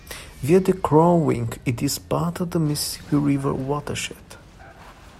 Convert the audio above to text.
Via the Crow Wing, it is part of the Mississippi River watershed.